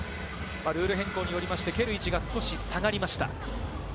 ルール変更によりまして、蹴る位置が少し下がりました。